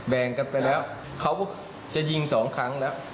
แบ่งกันไปแล้วเขาก็จะยิงสองครั้งแล้ว